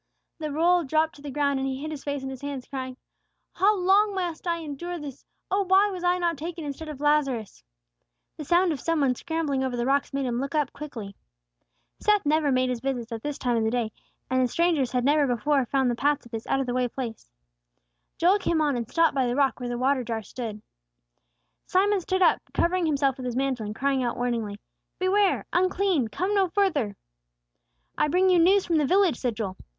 The roll dropped to the ground, and he hid his face in his hands, crying, "How long must I endure this? Oh, why was I not taken instead of Lazarus?" The sound of some one scrambling over the rocks made him look up quickly. Seth never made his visits at this time of the day, and strangers had never before found the path to this out of the way place. Joel came on, and stopped by the rock where the water jar stood. Simon stood up, covering himself with his mantle, and crying out, warningly, "Beware! Unclean! Come no further!" "I bring you news from the village," said Joel.